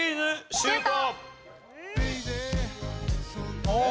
シュート！